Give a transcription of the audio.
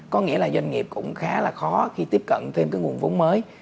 có nghĩa là doanh nghiệp cũng khá là khó khi tiếp cận thêm cái nguồn vốn mới